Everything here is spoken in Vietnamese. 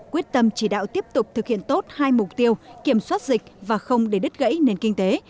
quyết tâm chỉ đạo tiếp tục thực hiện tốt hai mục tiêu kiểm soát dịch và không để đứt gãy nền kinh tế